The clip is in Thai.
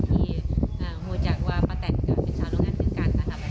ที่หัวจากว่าป้าแต่นกับเป็นชาวโรงงานขึ้นกันนะคะ